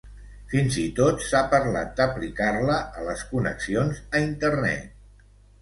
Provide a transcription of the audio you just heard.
Fins i tot s'ha parlat d'aplicar-la a les connexions a internet.